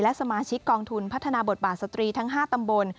และสมาชิกกองทุนพัฒนาบทบาทสตรีทั้ง๕ตำบล